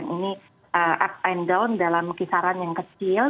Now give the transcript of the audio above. ini up and down dalam kisaran yang kecil